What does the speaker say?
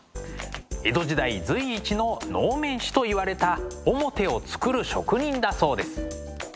江戸時代随一の能面師といわれた面を作る職人だそうです。